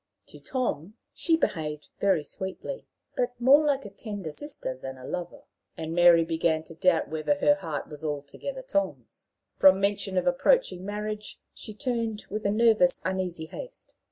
To Tom she behaved very sweetly, but more like a tender sister than a lover, and Mary began to doubt whether her heart was altogether Tom's. From mention of approaching marriage, she turned with a nervous, uneasy haste.